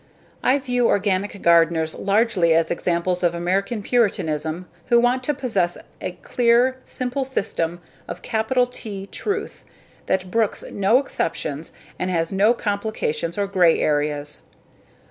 I view organic gardeners largely as examples of American Puritanism who want to possess an clear, simple system of capital "T" truth, that brooks no exceptions and has no complications or gray areas.